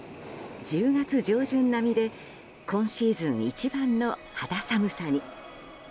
１０月上旬並みで今シーズン一番の肌寒さに。